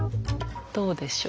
どうでしょう？